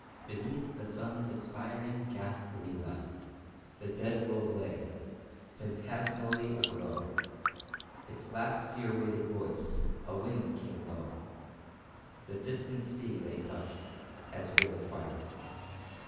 Beneath the sun's expiring, ghastly light, The dead world lay, phantasmally aglow; Its last fear weighted voice, a wind, came low; The distant sea lay hushed, as with affright.